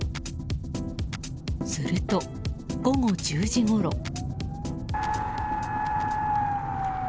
すると、午後１０時ごろ。